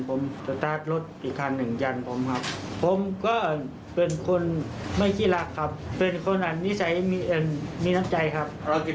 ผมก็ร้องก่อนร้องเยาหาเจ้าของรถดีครับ